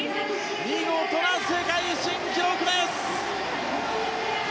見事な世界新記録です。